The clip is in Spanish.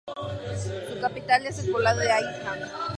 Su capital es el poblado de Aija.